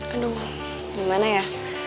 aduh gimana ya